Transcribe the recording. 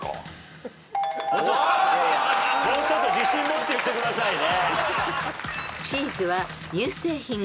もうちょっと自信持って言ってくださいね。